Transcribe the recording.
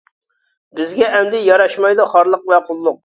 بىزگە ئەمدى ياراشمايدۇ خارلىق ۋە قۇللۇق.